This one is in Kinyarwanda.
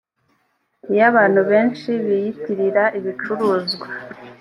iyo abantu benshi biyitirira ibicuruzwa